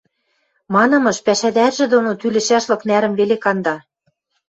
— Манамыш, пӓшӓдӓржӹ доно тӱлӹшӓшлык нӓрӹм веле канда.